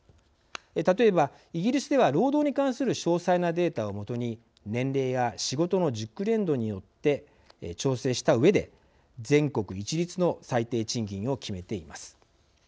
例えばイギリスでは労働に関する詳細なデータを基に年齢や仕事の熟練度によって調整したうえで、全国一律の最低賃金を決めています。